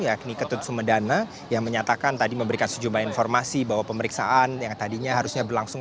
yakni ketut sumedana yang menyatakan tadi memberikan sejumlah informasi bahwa pemeriksaan yang tadinya harusnya berlangsung